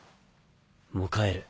もう帰る。